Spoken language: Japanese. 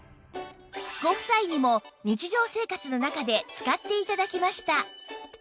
ご夫妻にも日常生活の中で使って頂きました